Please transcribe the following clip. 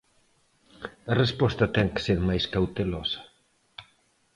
A resposta ten que ser máis cautelosa.